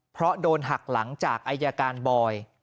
เพราะโดนหักหลังจากอายการบอย